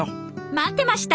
待ってました！